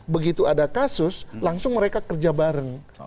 begitu ada kasus langsung mereka kerja bareng